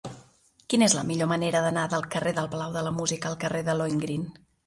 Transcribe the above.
Quina és la millor manera d'anar del carrer del Palau de la Música al carrer de Lohengrin?